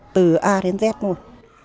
từ a đến z thôi